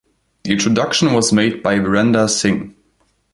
The introduction was made by Virendra Singh.